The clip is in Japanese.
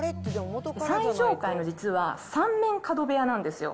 最上階の実は３面角部屋なんですよ。